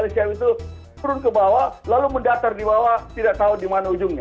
l shape itu turun kebawah lalu mendatar dibawah tidak tahu di mana ujungnya